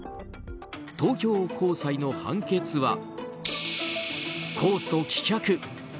東京高裁の判決は控訴棄却。